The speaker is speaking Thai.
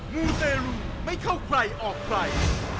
มูเตรลูไม่เข้าใครออกใคร